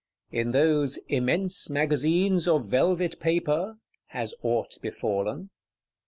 In those "immense Magazines of velvet paper" has aught befallen?